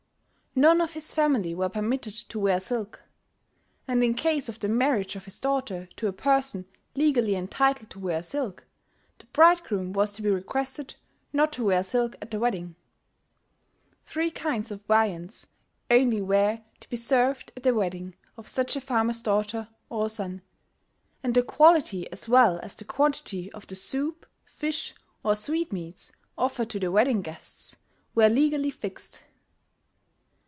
None of his family were permitted to wear silk; and in case of the marriage of his daughter to a person legally entitled to wear silk, the bridegroom was to be requested not to wear silk at the wedding. Three kinds of viands only were to be served at the wedding of such a farmer's daughter or son; and the quality as well as the quantity of the soup, fish, or sweetmeats offered to the wedding guests, were legally fixed.